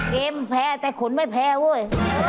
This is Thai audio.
แพ้แต่ขนไม่แพ้เว้ย